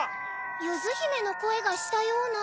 ゆずひめのこえがしたような。